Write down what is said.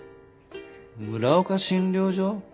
村岡診療所？